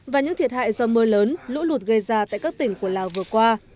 và những thiệt hại do mưa lớn lũ lụt gây ra tại các tỉnh của lào vừa qua